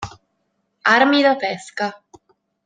Armi da pesca.